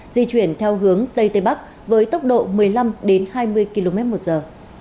di chuyển theo hướng tây tây bắc với tốc độ một mươi năm hai mươi km một giờ